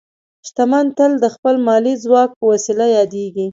شتمن تل د خپل مالي ځواک په وسیله یادېږي.